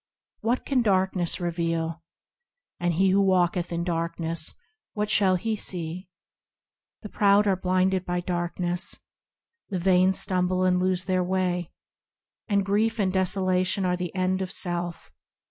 What can darkness reveal ? And he who walketh in darkness, what shall he see ? The proud are blinded by darkness; The vain stumble and lose their way ; And grief and desolation are the end of self.